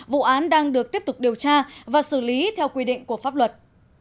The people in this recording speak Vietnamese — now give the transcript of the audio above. vụ án đang được tiếp tục điều tra và xử lý theo quy định của pháp luật